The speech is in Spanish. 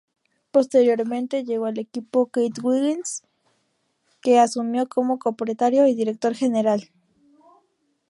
Posteriormente, llegó al equipo Keith Wiggins que asumió como co-propietario y director general.